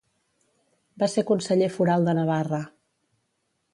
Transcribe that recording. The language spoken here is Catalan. Va ser conseller foral de Navarra.